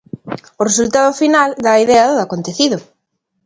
O resultado final dá idea do acontecido.